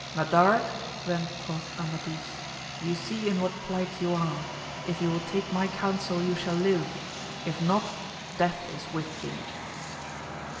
Madarque,' then quoth Amadis, you see in what plight you are, if you will take my counsel you shall live, if not death is with thee.